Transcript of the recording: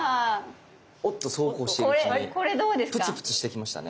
おっとそうこうしてるうちにプツプツしてきましたね。